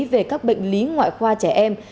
về các bệnh lý ngoại khoa trẻ em